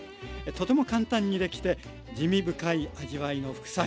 とても簡単にできて滋味深い味わいの副菜。